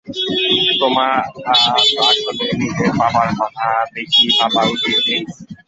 তোমার আসলে নিজের বাবার কথা বেশি ভাবা উচিৎ, লিস।